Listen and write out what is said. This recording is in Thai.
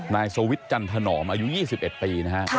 นายสวิทย์จันถนอมอายุ๒๑ปีนะครับ